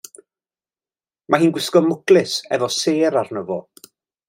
Mae hi'n gwisgo mwclis efo sêr arno fo.